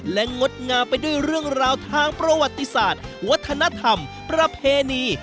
และงดงามไปด้วยเรื่องราวทางประวัติศาสตร์วัฒนธรรมประเพณี